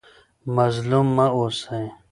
مظلوم مه اوسئ.